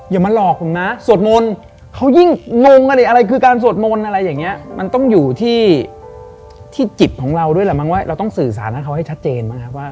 อย่ามาหลอกผมนะสวดมนต์เขายิ่งงงอะไรคือการสวดมนต์อะไรอย่างนี้มันต้องอยู่ที่จิตของเราด้วยแหละมั้งว่าเราต้องสื่อสารให้เขาให้ชัดเจนบ้างครับว่า